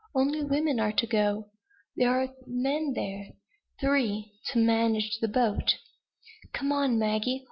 "Only women are to go!" "There are men there." "Three, to manage the boat." "Come on, Maggie!